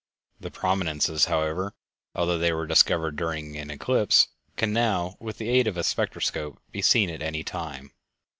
The prominences, however, although they were discovered during an eclipse, can now, with the aid of the spectroscope, be seen at any time.